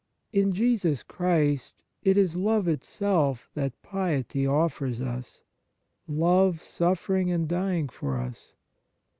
In Jesus Christ, it is love itself that piety offers us, love suffering and dying for us.